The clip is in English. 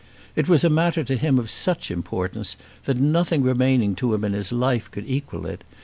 It was a matter to him of such importance that nothing remaining to him in his life could equal it.